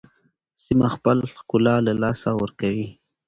سیمه خپل ښکلا له لاسه ورکوي.